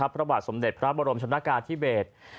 พระวาดสมเด็จพระมรมชนาการที่เบส